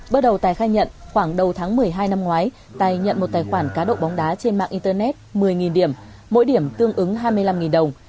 bước đầu tài khai nhận khoảng đầu tháng một mươi hai năm ngoái tài nhận một tài khoản cá độ bóng đá trên mạng internet một mươi điểm mỗi điểm tương ứng hai mươi năm đồng